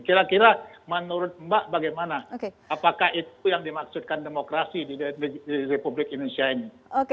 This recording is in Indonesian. kira kira menurut mbak bagaimana apakah itu yang dimaksudkan demokrasi di republik indonesia ini